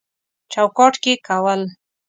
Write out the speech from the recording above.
چوکاټ کې کول